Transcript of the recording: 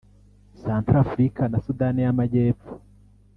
Centrafrika na Sudani y’Amajyepfo